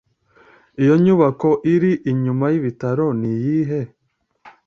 Iyo nyubako iri inyuma yibitaro niyihe?